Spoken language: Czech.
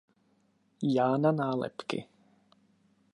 Jána Nálepky.